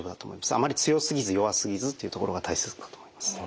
あまり強すぎず弱すぎずっていうところが大切かと思います。